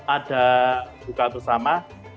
ada bukaan bersama